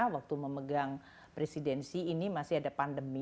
waktu memegang presidensi ini masih ada pandemi